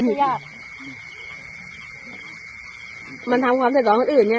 เดี๋ยวค่อยโทรหาก่อนติ๊กตึ้งอะไรเนี่ย